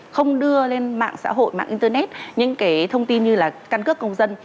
không đưa lên mạng xã hội mạng internet những thông tin như là căn cước công dân